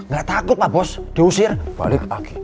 gak takut pak bos diusir balik lagi